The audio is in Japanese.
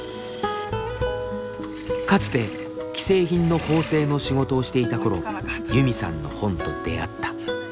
かつて既製品の縫製の仕事をしていたころユミさんの本と出会った。